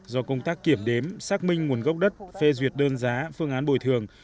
do công tác kiểm đếm xác minh nguồn gốc đất phê duyệt đơn giá phương án bồi thường